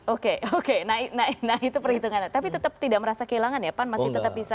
oke oke nah itu perhitungannya tapi tetap tidak merasa kehilangan ya pan masih tetap bisa